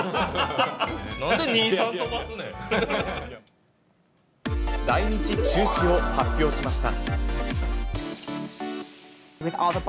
なんで２、来日中止を発表しました。